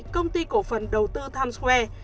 công ty cổ phần đầu tư times square